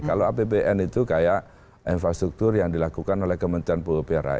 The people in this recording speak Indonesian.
kalau apbn itu kayak infrastruktur yang dilakukan oleh kementerian pupr